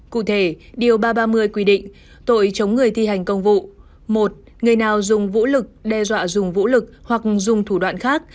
cụ thể điều ba trăm ba mươi quy định tội chống người thi hành công vụ một người nào dùng vũ lực đe dọa dùng vũ lực hoặc dùng thủ đoạn khác